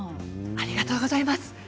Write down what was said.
ありがとうございます。